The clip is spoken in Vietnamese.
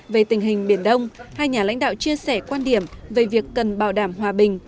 về tình hình biển đông hai nhà lãnh đạo chia sẻ quan điểm về việc cần bảo đảm hòa bình